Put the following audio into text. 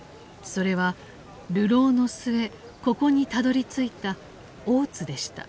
それは流浪の末ここにたどりついた大津でした。